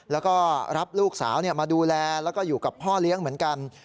แล้วก็รับลูกสาวมาดูแลแล้วก็อยู่กับพ่อเลี้ยงเหมือนกัน